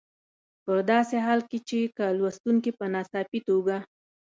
په داسې حال کې چې که لوستونکي په ناڅاپي توګه.